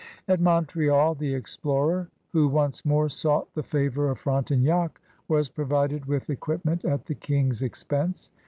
At Montreal the explorer, who once more sought the favor of Frontenac, was provided with equip ment at the King's expense.